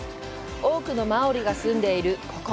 多くのマオリが住んでいるここ